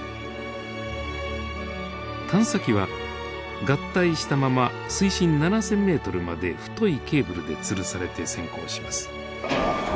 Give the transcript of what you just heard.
探査機は合体したまま水深７，０００ｍまで太いケーブルでつるされて潜航します。